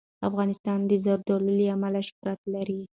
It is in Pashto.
افغانستان د زردالو له امله شهرت لري.